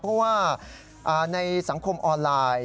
เพราะว่าในสังคมออนไลน์